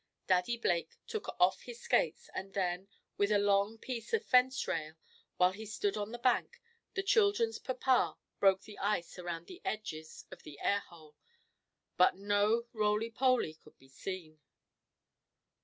Daddy Blake took off his skates, and then, with a long piece of fence rail, while he stood on the bank, the children's papa broke the ice around the edges of the air hole. But no Roly Poly could be seen.